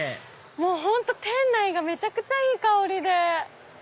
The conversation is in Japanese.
もう本当店内がめちゃくちゃいい香りで。